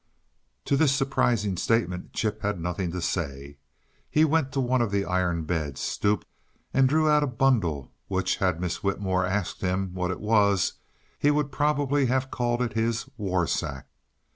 To this surprising statement Chip had nothing to say. He went to one of the iron beds, stooped and drew out a bundle which, had Miss Whitmore asked him what it was, he would probably have called his "war sack."